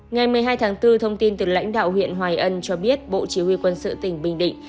ngày một mươi hai tháng bốn thông tin từ lãnh đạo huyện hoài ân cho biết bộ chỉ huy quân sự tỉnh bình định